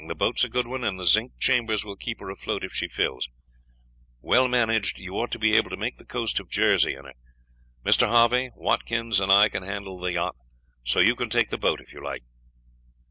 The boat is a good one, and the zinc chambers will keep her afloat if she fills; well managed, you ought to be able to make the coast of Jersey in her. Mr. Harvey, Watkins, and I can handle the yacht, so you can take the boat if you like."